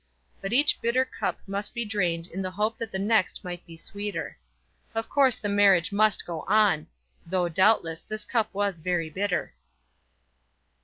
But each bitter cup must be drained in the hope that the next might be sweeter. Of course the marriage must go on; though, doubtless, this cup was very bitter.